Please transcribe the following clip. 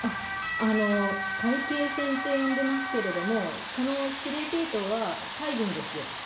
海警船って呼んでますけれども、この司令系統は海軍です。